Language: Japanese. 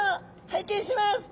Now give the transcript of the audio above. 拝見します！